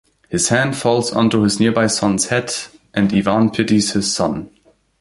His hand falls onto his nearby son's head, and Ivan pities his son.